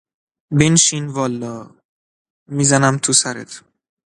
بنشین والا میزنم تو سرت.